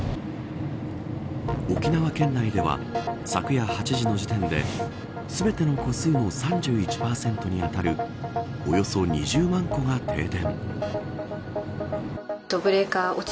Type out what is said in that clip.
沖縄県内では昨夜８時の時点で全ての戸数の３１％に当たるおよそ２０万戸が停電。